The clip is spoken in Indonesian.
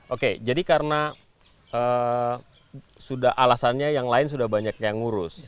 oke jadi karena alasannya yang lain sudah banyak yang ngurus